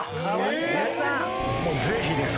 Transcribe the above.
ぜひです！